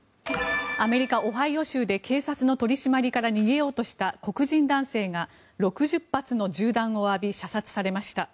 アメリカ・オハイオ州で警察の取り締まりから逃げようとした黒人男性が６０発の銃弾を浴び射殺されました。